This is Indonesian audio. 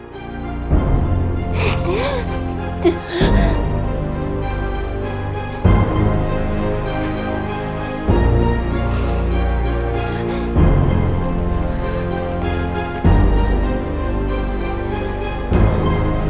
sampai jumpa di video selanjutnya